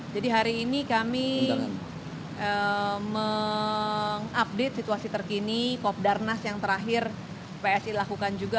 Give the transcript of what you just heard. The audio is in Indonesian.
jadi hari ini kami mengupdate situasi terkini kop darnas yang terakhir psi lakukan juga